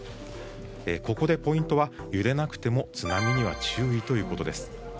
ここでポイントは揺れなくても津波に注意ということです。